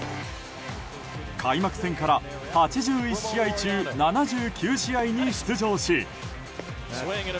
開幕戦から８１試合中７９試合に出場し。